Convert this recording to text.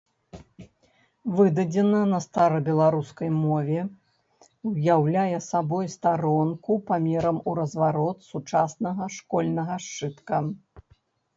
Выдадзена на старабеларускай мове, уяўляе сабой старонку памерам у разварот сучаснага школьнага сшытка.